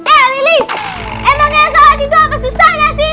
eh lilis emang yang sholat itu apa susah gak sih